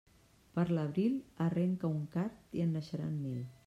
Per l'abril arrenca un card i en naixeran mil.